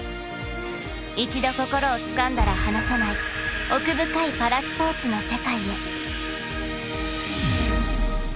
一度心をつかんだら離さない奥深いパラスポーツの世界へ。